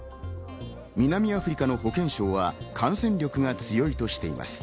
南アフリカの保健省は感染力が強いとしています。